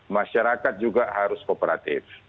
masyarakat juga harus kooperatif